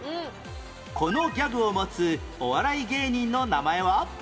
このギャグを持つお笑い芸人の名前は？